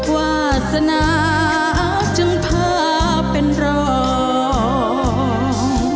วาสนาจึงพาเป็นรอง